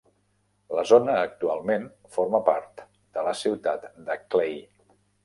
La zona actualment forma part de la ciutat de Clay.